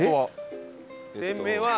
店名は。